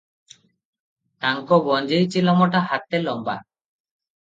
ତାଙ୍କ ଗଞ୍ଜେଇ ଚିଲମଟା ହାତେ ଲମ୍ବ ।